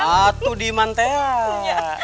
ah itu dimantai